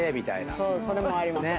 それもあります。